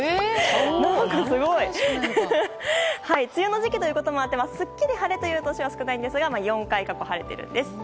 すごい！梅雨の時期ということもあってすっきり晴れという年は少ないんですが４回、過去に晴れているんです。